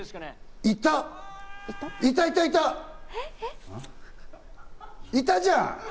いたじゃん！